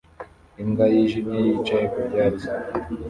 Imbwa yijimye yicaye ku byatsi